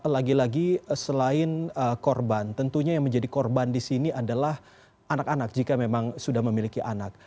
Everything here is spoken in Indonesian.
lagi lagi selain korban tentunya yang menjadi korban disini adalah anak anak jika memang sudah memiliki anak